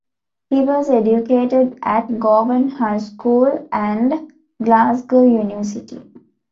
He was educated at Govan High School and Glasgow University.